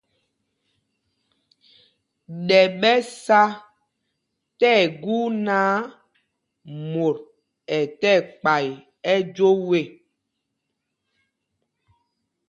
Ɗɛ ɓɛ sá tí ɛgu náǎ, mot ɛ tí ɛkpay ɛjwoo ê.